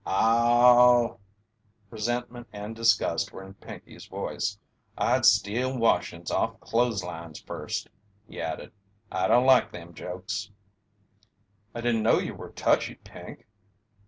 "Aw w!" Resentment and disgust were in Pinkey's voice. "I'd steal washings off of clothes lines first." He added: "I don't like them jokes." "I didn't know you were touchy, Pink."